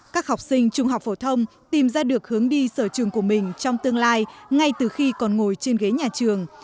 các học sinh trung học phổ thông tìm ra được hướng đi sở trường của mình trong tương lai ngay từ khi còn ngồi trên ghế nhà trường